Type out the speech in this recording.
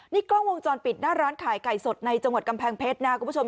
นี่กล้องวงจรปิดหน้าร้านขายไก่สดในจังหวัดกำแพงเพชรนะคุณผู้ชม